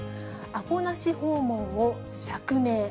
アポなし訪問を釈明。